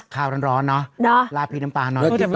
ขาวร้อนเนอะลาพีดำปันเนอะ